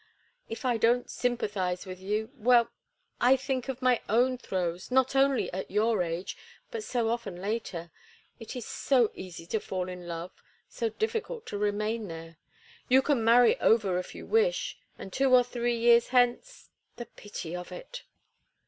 If I don't sympathize with you—well, I think of my own throes, not only at your age, but so often after. It is so easy to fall in love, so difficult to remain there. You can marry Over if you wish—and two or three years hence—the pity of it!"